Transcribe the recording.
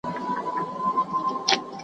د اغیارو په محبس کي د « امان » کیسه کومه .